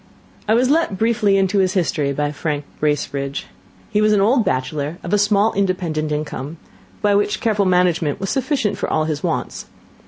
I was let briefly into his history by Frank Bracebridge. He was an old bachelor of a small independent income, which by careful management was sufficient for all his wants.